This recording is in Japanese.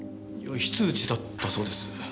非通知だったそうです。